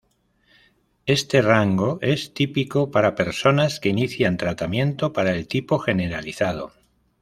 Este rango es típico para personas que inician tratamiento para el tipo generalizado.